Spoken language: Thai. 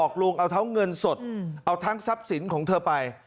ออกลวงเอาเทาเงินสดเอาทั้งทรัพย์ศิลป์ของเธอไป